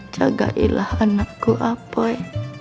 jagailah anakku apoy